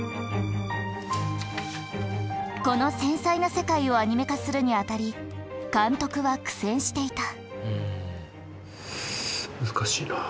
この繊細な世界をアニメ化するにあたり監督は苦戦していた。